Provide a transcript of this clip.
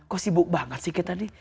kok sibuk banget sih kita nih